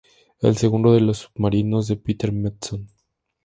El segundo de los submarinos de Peter Madsen.